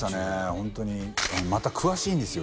ホントにまた詳しいんですよ